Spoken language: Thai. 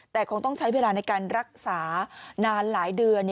แต่คงต้องใช้เวลาในการรักษานานหลายเดือน